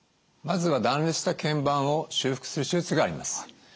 まずは断裂した腱板を修復する手術があります。